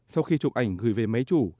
sau khi chụp ảnh gửi về máy chủ